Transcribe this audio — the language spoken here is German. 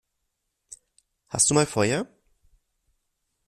Hast du mal Feuer?